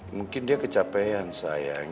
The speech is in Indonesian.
mungkin dia kecapean sayang